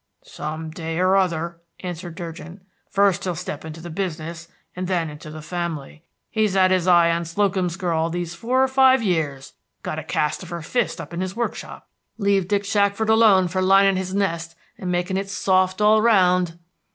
"Some day or other," answered Durgin. "First he'll step into the business, and then into the family. He's had his eye on Slocum's girl these four or five years. Got a cast of her fist up in his workshop. Leave Dick Shackford alone for lining his nest and making it soft all round."